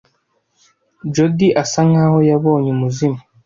Jody asa nkaho yabonye umuzimu.